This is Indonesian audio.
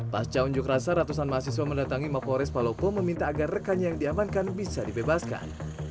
pasca unjuk rasa ratusan mahasiswa mendatangi mapores palopo meminta agar rekannya yang diamankan bisa dibebaskan